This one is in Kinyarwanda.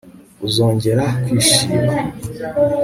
Uzongera kwishima